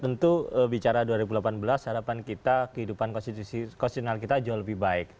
tentu bicara dua ribu delapan belas harapan kita kehidupan konstitusional kita jauh lebih baik